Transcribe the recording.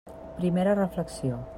Primera reflexió.